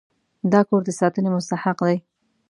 دا کور د ساتنې مستحق دی.